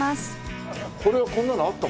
これこんなのあった？